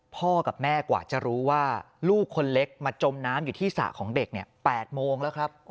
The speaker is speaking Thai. พ่อกับแม่กว่าจะรู้ว่าลูกคนเล็กมาจมน้ำอยู่ที่สระของเด็ก๘โมงแล้วครับ